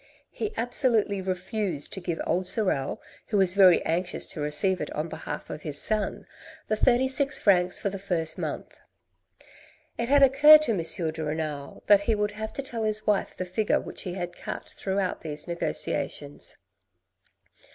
He absolutely refused to give old Sorel, who was very anxious to receive it on behalf of his son, the thirty six francs for the first month. It had occurred to M. de Renal that he would have to tell his wife the figure which he had cut throughout these negotiations.